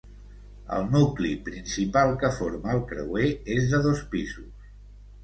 El nucli principal que forma el creuer és de dos pisos.